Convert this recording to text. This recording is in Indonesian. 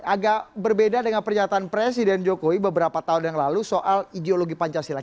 agak berbeda dengan pernyataan presiden jokowi beberapa tahun yang lalu soal ideologi pancasila